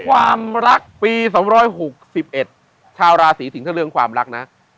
ความรักปีสองร้อยหกสิบเอ็ดชาวราศีสิงห์เท่าเรื่องความรักนะ